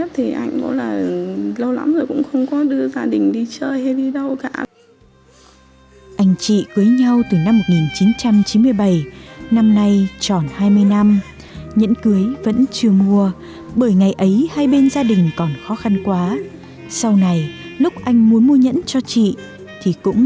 thì ta cũng giống như một người anh hùng